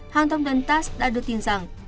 hàng thông đơn tass đã đưa tin rằng